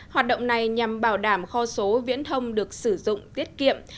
hoạt động này nhằm bảo đảm kho số viễn thông được sử dụng tiết kiệm